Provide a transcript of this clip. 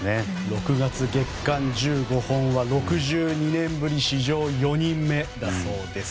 ６月月間１５本は６２年ぶり史上４人目だそうです。